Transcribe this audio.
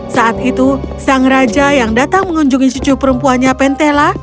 saat itu sang raja yang datang mengunjungi cucu perempuannya pentela